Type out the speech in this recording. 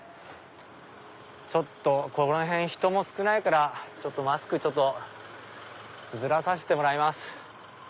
ちょっとこの辺人も少ないからマスクずらさせてもらいます。